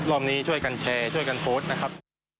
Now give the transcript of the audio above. รอบนี้ช่วยกันแชร์ช่วยกันโพสต์นะครับ